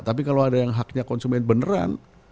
tapi kalau ada yang haknya konsumen beneran